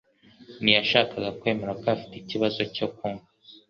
ntiyashakaga kwemera ko afite ikibazo cyo kunywa